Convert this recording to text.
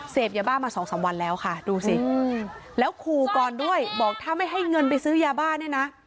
ยาบ้ามาสองสามวันแล้วค่ะดูสิแล้วขู่ก่อนด้วยบอกถ้าไม่ให้เงินไปซื้อยาบ้าเนี่ยนะ